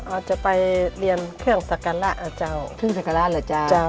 อ่าจะไปเรียนเครื่องสักการะอะเจ้า